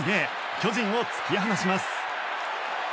巨人を突き放します。